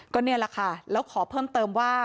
ก็นี่แหละค่ะแล้วขอเพิ่มเติมว่า